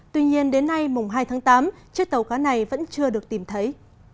tuy nhiên đến nay mùng hai tháng tám chiếc tàu cá này vẫn chưa được tìm thấy